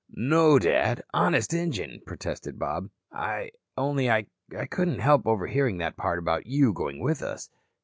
"No, Dad, Honest Injun," protested Bob. "Only I couldn't help overhearing that part about you going with us.